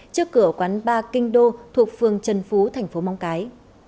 trước cửa quán ba kinh đô thuộc phường trần phú tp mong cái